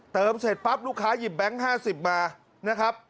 เสร็จปั๊บลูกค้าหยิบแบงค์๕๐มานะครับ